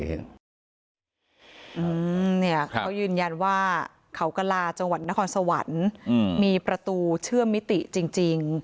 อืมเนี่ยเขายืนยันว่าเขากระลาจังหวัดนครสวรรค์มีประตูเชื่อมมิติจริง